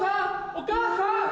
お母さん！